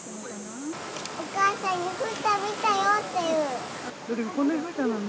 お母さんに風太見たよって言う。